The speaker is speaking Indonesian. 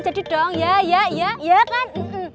jadi dong ya ya ya ya kan